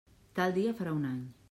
Tal dia farà un any!